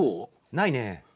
ないね。